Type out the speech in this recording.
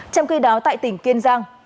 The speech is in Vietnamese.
trong khi đó tại tỉnh kiên giang